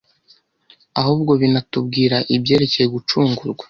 ahubwo binatubwira ibyerekeye gucungurwa